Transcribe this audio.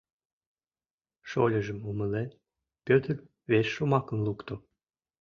Шольыжым умылен, Пӧтыр вес шомакым лукто: